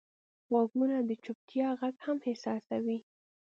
غوږونه د چوپتیا غږ هم احساسوي